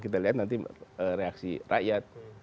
kita lihat nanti reaksi rakyat